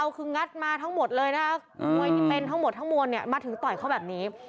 คืองัดมาทั้งหมดเลยทั้งมวลมาถึงต่อยเขาแบบนี้